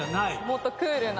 もっとクールな。